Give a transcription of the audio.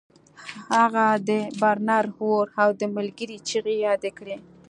هغه د برنر اور او د ملګري چیغې یادې کړې